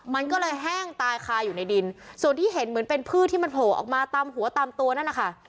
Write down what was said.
มันก็เลยแห้งตายคาอยู่ในดินส่วนที่เห็นเหมือนเป็นพืชที่มันโผล่ออกมาตามหัวตามตัวนั่นนะคะ